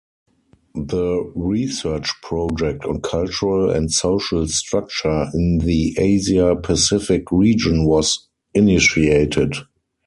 The research project on cultural and social structure in the Asia-Pacific region was initiated.